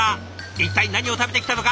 一体何を食べてきたのか？